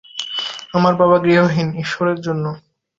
আমার বাবা গৃহহীন, ঈশ্বরের জন্য।